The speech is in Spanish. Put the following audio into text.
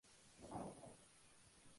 Movie World de Queensland, Australia.